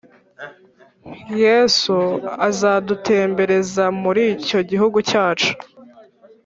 Yesu azadutembereza muricyo gihugu cyacu